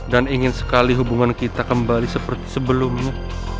dan ingin sekali hubungan kita kembali seperti sebelumnya